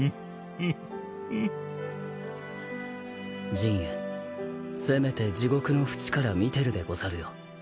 刃衛せめて地獄の淵から見てるでござるよ